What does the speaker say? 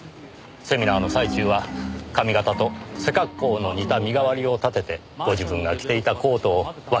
セミナーの最中は髪型と背格好の似た身代わりを立ててご自分が着ていたコートを脇に置かせたんです。